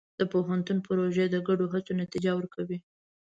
د پوهنتون پروژې د ګډو هڅو نتیجه ورکوي.